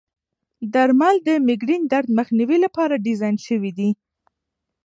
درمل د مېګرین درد مخنیوي لپاره ډیزاین شوي دي.